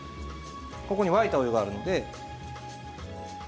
沸いたお湯があるので。